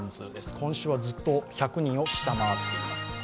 今週はずっと１００人を下回っています。